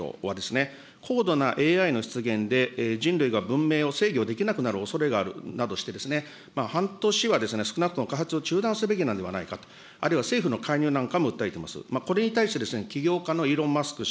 例えばアメリカの非営利団体のフィーチャー・オブ・ザ・ライフと高度なＡＩの出現で、人類が文明を制御できなくなる恐れがあるなどとして、半年は少なくとも開発を中断すべきではないかと、あるいは政府の介入なんかも訴えています。